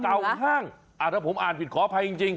เก่าห้างถ้าผมอ่านผิดขออภัยจริง